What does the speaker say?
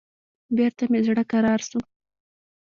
بېرته مې زړه کرار سو.